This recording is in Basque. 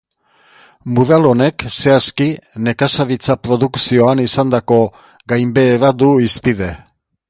Mural honek, zehazki, nekazaritza produkzioan izandako gainbehera du hizpide.